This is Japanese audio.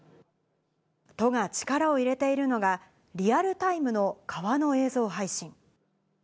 都が力を入れているのが、リアルタイムの川の映像配信。